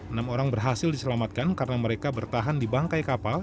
enam orang berhasil diselamatkan karena mereka bertahan di bangkai kapal